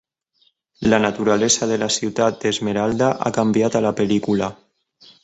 La naturalesa de la ciutat d'Esmeralda ha canviat a la pel·lícula.